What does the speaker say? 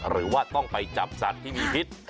หรือว่าต้องไปจับสัตว์ที่มีพิษ